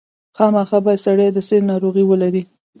خامخا باید سړی د سِل ناروغي ولري.